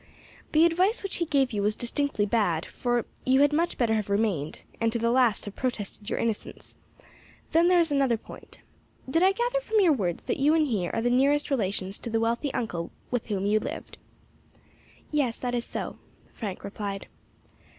The advice which he gave you was distinctly bad; for you had much better have remained, and to the last have protested your innocence. Then there is another point. Did I gather from your words that you and he are the nearest relations to the wealthy uncle with whom you lived?" "Yes, that is so," Frank replied.